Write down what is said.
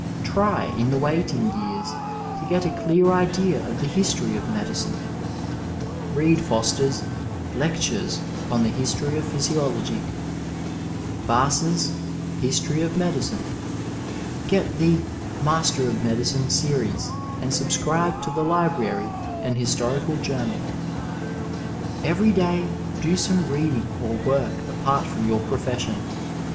Try, in the waiting years, to get a clear idea of the history of medicine. lieadVoBtei^B Lectures (mthe History of Physiolo^ AB. 433 F F Digitized by VjOOQIC THE STUDENT LIFE Baas's History of Medicine. Qet the " Masters of Medicine ^ Series, and subscribe to the lAbrary and Historical Journal. ^ Every day do some reading or work apart from your profession.